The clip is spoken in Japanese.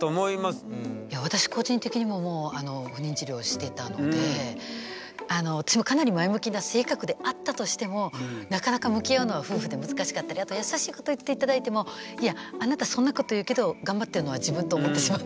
私個人的にも私もかなり前向きな性格であったとしてもなかなか向き合うのは夫婦で難しかったりあと優しいこと言って頂いてもいやあなたそんなこと言うけど頑張ってるのは自分と思ってしまったり。